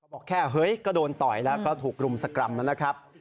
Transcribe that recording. บอกแค่เฮ้ยก็โดนต่อยแล้วก็ถูกรุมสกรรมนะครับ